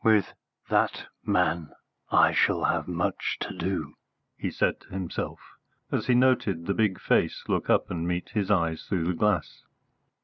"With that man I shall have much to do," he said to himself, as he noted the big face look up and meet his eye through the glass.